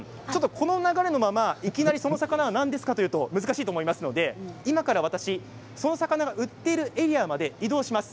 この流れのままいきなりその魚は何ですか？というと難しいと思いますので今からその魚が売っているエリアまで移動します。